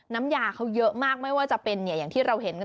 น้ำยาเขาเยอะมากไม่ว่าจะเป็นอย่างที่เราเห็นกัน